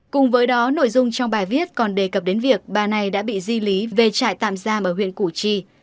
cùng với đó nội dung trong bài viết còn đề cập đến việc bà này đã bị di lý về trại tạm giam ở huyện củ chi